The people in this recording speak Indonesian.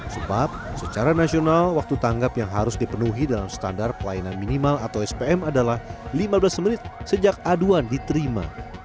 sebab secara nasional waktu tanggap yang harus dipenuhi dalam standar pelayanan minimal atau spm adalah lima belas menit sejak aduan diterima